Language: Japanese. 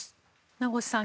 名越さん